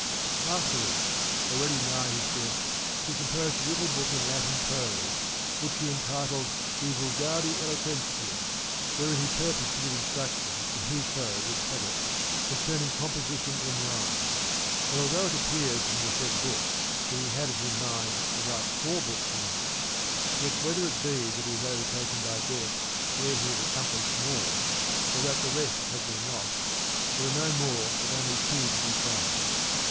Afterwards, already nigh his death, he composed a little book in Latin prose, which he entitled De Fulgari Eloqueniiay wherein he purposed to give instruction to whoso would have it, concerning composition in rhyme ; and although it appears from the said book that he had it in mind to write four books on this, yet whether it be that he was overtaken by death ere he had accomplished more, or that the rest have been lost, there are no more but only two to be found.